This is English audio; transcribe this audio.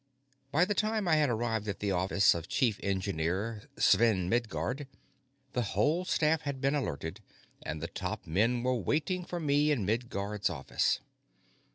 By the time I had arrived at the office of Chief Engineer Sven Midguard, the whole staff had been alerted, and the top men were waiting for me in Midguard's office.